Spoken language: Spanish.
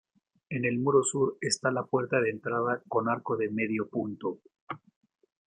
En el muro sur está la puerta de entrada con arco de medio punto.